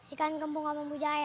ikan kembung sama mujair